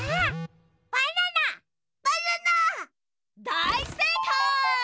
だいせいかい！